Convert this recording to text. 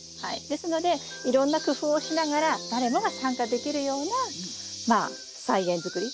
ですのでいろんな工夫をしながら誰もが参加できるようなまあ菜園作り